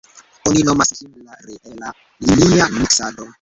Oni nomas ĝin la reela-linia miksado.